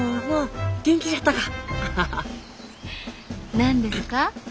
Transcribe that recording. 何ですか？